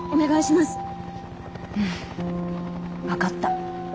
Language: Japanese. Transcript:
うん分かった。